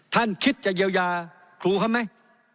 ท่านคิดจะเยียวยาครูเขาไหม